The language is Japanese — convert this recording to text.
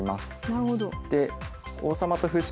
なるほど。